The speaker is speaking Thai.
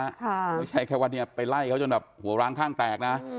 ไม่ใช่แค่ว่าเนี่ยไปไล่เขาจนแบบหัวร้างข้างแตกนะ